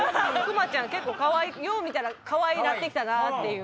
結構よう見たらかわいなって来たなっていう。